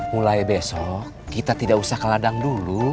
mulai besok kita tidak usah ke ladang dulu